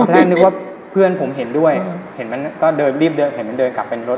แปลงนึกว่าเพื่อนผมเห็นด้วยเห็นมันเดินกลับเป็นรถ